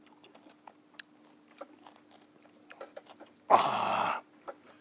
ああ。